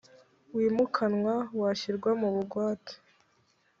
wimukanwa washyirwa mu bugwate